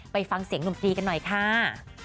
ไปฟังเสียงหนุ่มตีกันหน่อยค่ะ